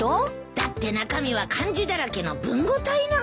だって中身は漢字だらけの文語体なんだもの。